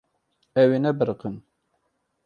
Ew ê nebiriqin.